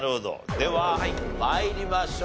では参りましょう。